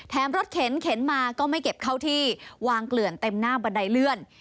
รถเข็นเข็นมาก็ไม่เก็บเข้าที่วางเกลื่อนเต็มหน้าบันไดเลื่อน